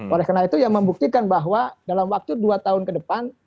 oleh karena itu yang membuktikan bahwa dalam waktu dua tahun ke depan